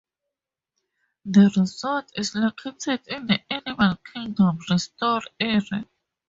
The resort is located in the Animal Kingdom Resort Area.